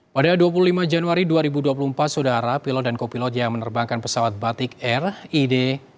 pada dua puluh lima januari dua ribu dua puluh empat saudara pilot dan kopilot yang menerbangkan pesawat batik air id enam ribu tujuh ratus dua puluh tiga